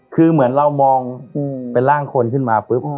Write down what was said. คือเหมือนเรามองเป็นร่างคนขึ้นมาปุ๊บ